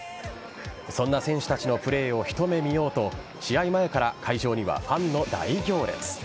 そんな選手たちのプレーを一目見ようと試合前から会場にはファンの大行列。